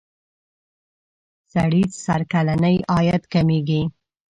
سړي سر کلنی عاید کمیږي.